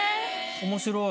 面白い。